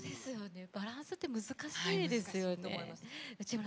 バランスって難しいですよね。